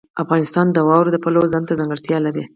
افغانستان د واوره د پلوه ځانته ځانګړتیا لري.